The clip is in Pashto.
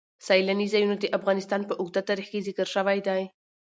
سیلانی ځایونه د افغانستان په اوږده تاریخ کې ذکر شوی دی.